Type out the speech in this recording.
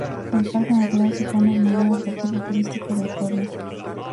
El parque natural supone el mayor atractivo turístico del pueblo.